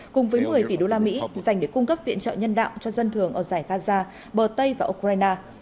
cùng với một mươi tỷ đô la mỹ dành để cung cấp viện trợ nhân đạo cho dân thường ở giải gaza bờ tây và ukraine